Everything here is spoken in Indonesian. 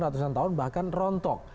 ratusan tahun bahkan rontok